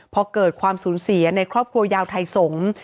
พอเกิดความสูญเสียในครอบครัวยาวไทยสงศ์